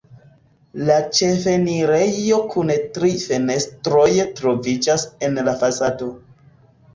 La ĉefenirejo kun tri fenestroj troviĝas en la fasado.